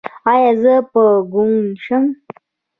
ایا زه به ګونګ شم؟